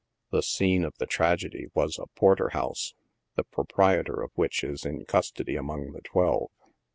The scene of the trage dy was a porter house, the proprietor of which is in custody among the twelve.